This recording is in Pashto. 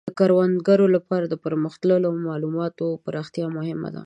د کروندګرانو لپاره د پرمختللو مالوماتو پراختیا مهمه ده.